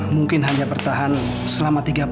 mungkin hanya bertahan selama tiga bulan